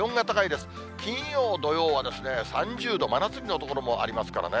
金曜、土曜は３０度、真夏日の所もありますからね。